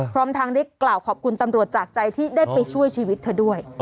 พร้อมทางได้กล่าวขอบคุณตำรวจจากใจที่ได้ไปช่วยชีวิตเธอด้วย